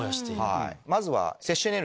まずは。